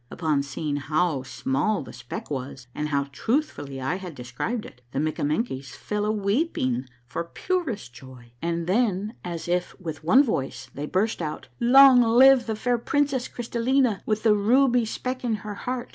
Upon seeing how small the speck was and how truthfully I had described it, the Mikkamenkies fell a weeping for purest joy, and then, as if with one voice, they burst out, —" Long live the fair princess Crystallina with the ruby speck in her heart